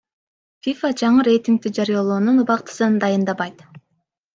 ФИФА жаңы рейтингди жарыялоонун убактысын дайындабайт.